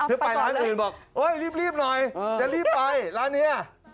ไปร้านอื่นบอกรีบหน่อยจะรีบไปร้านนี้